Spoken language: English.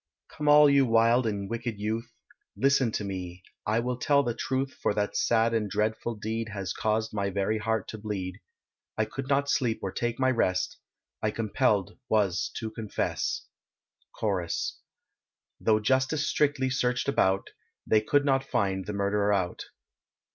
Come all you wild and wicked youth, Listen to me, I will tell the truth For that sad and dreadful deed Has caused my very heart to bleed, I could not sleep or take my rest, I compelled was to confess. CHORUS. Though justice strictly searched about, They could not find the murderer out.